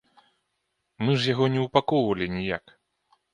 Мы ж яго не ўпакоўвалі ніяк.